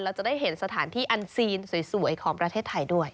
จะได้เห็นสถานที่อันซีนสวยของประเทศไทยด้วย